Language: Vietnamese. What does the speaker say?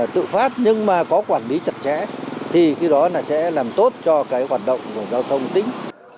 tự phát nhưng mà có quản lý chặt chẽ thì cái đó là sẽ làm tốt cho cái hoạt động giao thông tỉnh